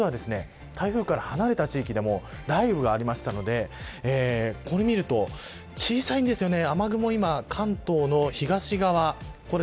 まずは台風から離れた地域でも雷雨がありましたのでこれを見ると小さいんですよね。